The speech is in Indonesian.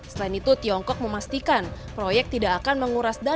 tawaran ini dipercayai oleh bumn dua ribu empat belas dua ribu sembilan belas rini sumarno